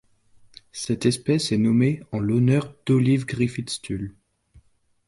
Cette espèce est nommée en l'honneur d'Olive Griffith Stull.